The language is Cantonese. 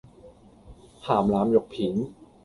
咸腩肉片